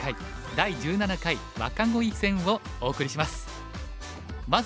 第１７回若鯉戦」をお送りします。